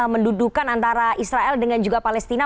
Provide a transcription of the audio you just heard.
mendudukan antara israel dengan juga palestina